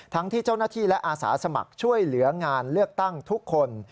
ทั้งที่เจ้าหน้าที่และอาสาสมัครช่วยเหลืองานเลือกตั้งทุกคน